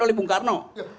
oleh bung karno